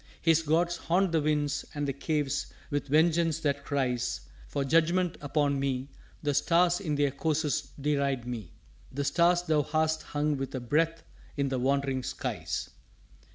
His gods haunt the winds and the caves with vengeance that cries For judgment upon me; the stars in their courses deride me The stars Thou hast hung with a breath in the wandering skies.